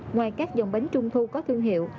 ngoài các dòng bánh trung thu có thương hiệu